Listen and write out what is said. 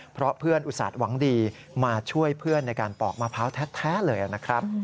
เพราะเพื่อนอุตส่าห์หวังดีมาช่วยเพื่อนในการปอกมะพร้าวแท้เลยนะครับ